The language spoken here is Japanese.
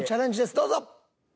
どうぞ。